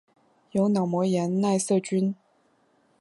由脑膜炎奈瑟菌。